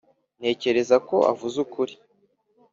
ntekereza ko uvuze ukuri.